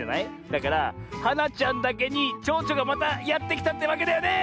だからはなちゃんだけにちょうちょがまたやってきたってわけだよね！